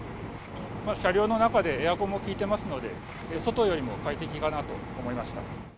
車両の中で、エアコンも効いてますので、外よりも快適かなと思いました。